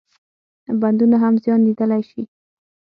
بندونه هم زیان لیدلای شي.